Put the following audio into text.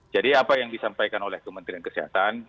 jadi apa yang disampaikan oleh kementerian kesehatan